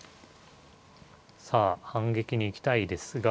さあ反撃に行きたいですが。